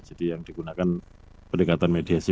jadi yang digunakan pendekatan mediasi